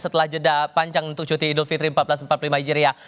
setelah jeda panjang untuk cuti idul fitri seribu empat ratus empat puluh lima hijriah